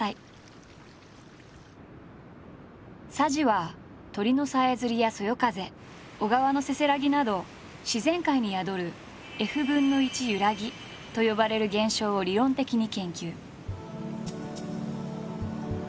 佐治は鳥のさえずりやそよ風小川のせせらぎなど自然界に宿る「１／ｆゆらぎ」と呼ばれる現象を理論的に研究。